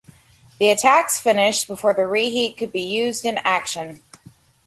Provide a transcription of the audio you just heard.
The attacks finished before the reheat could be used in action.